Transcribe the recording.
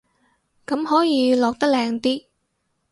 咁可以落得靚啲